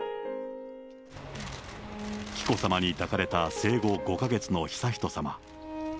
紀子さまに抱かれた生後５か月の悠仁さま。